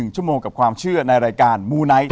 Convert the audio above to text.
ชั่วโมงกับความเชื่อในรายการมูไนท์